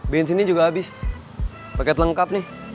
benzinnya juga habis paket lengkap nih